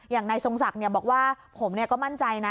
อย่างนายทรงศักดิ์บอกว่าผมก็มั่นใจนะ